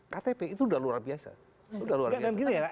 ktp itu udah luar biasa